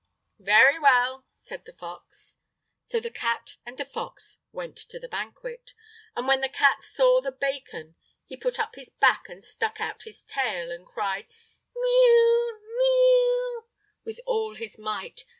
"Very well," said the fox. So the cat and the fox went to the banquet, and when the cat saw the bacon, he put up his back and stuck out his tail and cried: "Mee oo, mee oo!" with all his might.